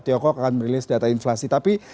tiongkok akan merilis data inflasi tapi